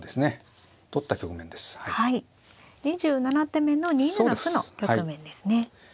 ２７手目の２七歩の局面ですね。